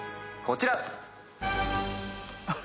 こちら！